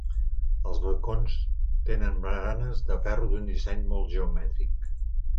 Els balcons tenen baranes de ferro d'un disseny molt geomètric.